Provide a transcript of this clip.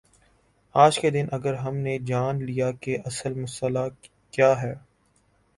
آج کے دن اگر ہم نے جان لیا کہ اصل مسئلہ کیا ہے۔